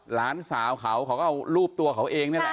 หลานสาวเขาเขาก็เอารูปตัวเขาเองนี่แหละ